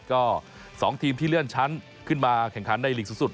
ก็๒ทีมที่เลื่อนชั้นขึ้นมาแข่งขันในหลีกสูงสุด